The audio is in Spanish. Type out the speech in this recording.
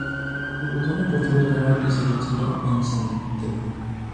Debutó en Deportivo Español y se retiró en San Telmo.